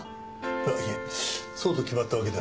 あっいえそうと決まったわけではありません。